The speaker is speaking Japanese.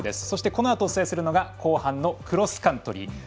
そして、このあとお伝えするのが後半のクロスカントリー。